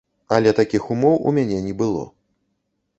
Але такіх ўмоў у мяне не было.